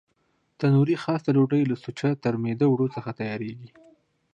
تنوري خاصه ډوډۍ له سوچه ترمیده اوړو څخه تیارېږي.